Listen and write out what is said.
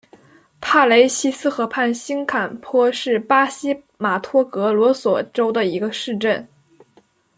帕雷西斯河畔新坎波是巴西马托格罗索州的一个市镇。